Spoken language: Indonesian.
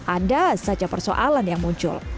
ada saja persoalan yang muncul